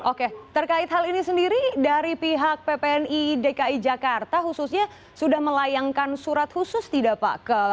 oke terkait hal ini sendiri dari pihak ppni dki jakarta khususnya sudah melayangkan surat khusus tidak pak